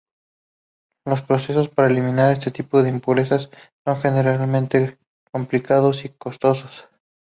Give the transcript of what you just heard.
Los procesos para eliminar este tipo de impurezas son generalmente complicados y costosos.